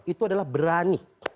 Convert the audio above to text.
itu adalah berani